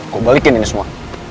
gue balikin ini semua